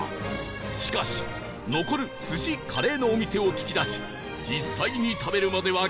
しかし残る寿司カレーのお店を聞き出し実際に食べるまでは帰れない